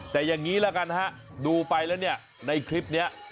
แต่อย่างนี้ละกันฮะดูไปแล้วเนี่ยในคลิปนี้